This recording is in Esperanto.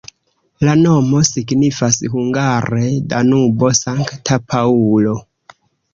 La nomo signifas hungare Danubo-Sankta Paŭlo.